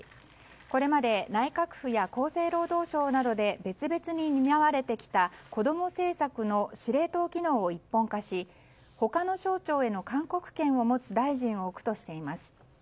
これまで内閣府や厚生労働省などで別々にになわれてきた子供政策の司令塔機能を一本化し他の省庁への勧告権を持つ大臣を置くとしています。